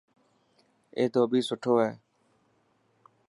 اي ڌوٻي سٺو هي.